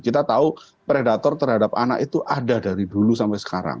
kita tahu predator terhadap anak itu ada dari dulu sampai sekarang